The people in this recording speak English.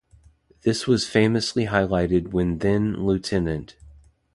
This was famously highlighted when then-Lt.